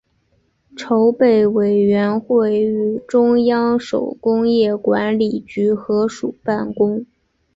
筹备委员会与中央手工业管理局合署办公。